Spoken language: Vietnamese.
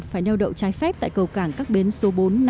phải neo đậu trái phép tại cầu cảng các bến số bốn